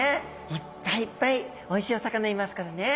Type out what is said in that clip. いっぱいいっぱいおいしいお魚いますからね。